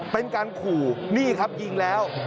เป็นการขู่นี่ครับยิงแล้ว